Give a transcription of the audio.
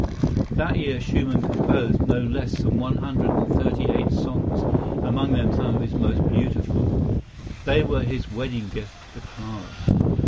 That year Schumann composed no less than one hundred and thirty eight songs, among them some of his most beautiful. They were his wedding gift to Clara.